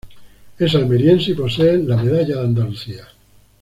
Es almeriense y posee la Medalla de Andalucía.